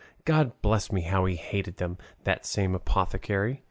God bless me, how he hated them, that same apothecary!